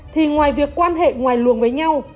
thì ngoài việc quan hệ ngoài luồng với nhau